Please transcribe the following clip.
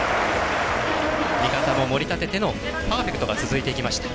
味方も盛り立ててのパーフェクトが続いていきました。